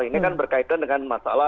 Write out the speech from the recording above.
ini kan berkaitan dengan masalah